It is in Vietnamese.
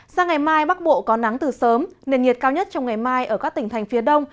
sang ngày mai bắc bộ có nắng từ sớm nền nhiệt cao nhất trong ngày mai ở các tỉnh thành phía đông